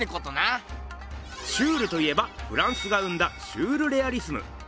シュールといえばフランスが生んだシュールレアリスム。